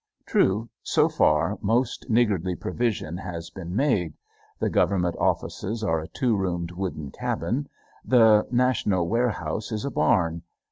True, so far most niggardly provision has been made. The Government offices are a two roomed wooden cabin. The national warehouse is a barn.